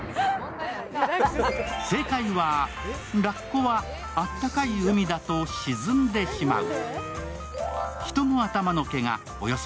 正解は、ラッコはあったかい海だと沈んでしまう。